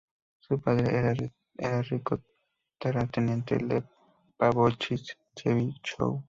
Su padre era el rico terrateniente Lev Pávlovich Chebyshov.